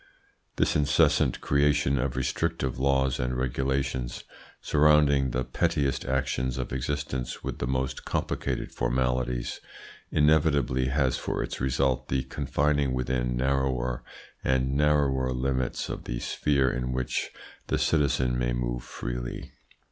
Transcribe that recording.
This incessant creation of restrictive laws and regulations, surrounding the pettiest actions of existence with the most complicated formalities, inevitably has for its result the confining within narrower and narrower limits of the sphere in which the citizen may move freely.